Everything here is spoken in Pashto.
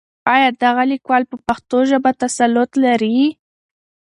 آيا دغه ليکوال په پښتو ژبه تسلط لري؟